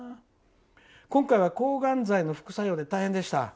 「今回は抗がん剤の副作用で大変でした。